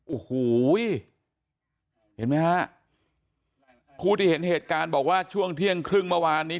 โอ้โหเห็นไหมฮะผู้ที่เห็นเหตุการณ์บอกว่าช่วงเที่ยงครึ่งเมื่อวานนี้